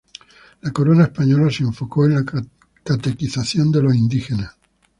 La corona española se enfocó en la catequización de los indígenas.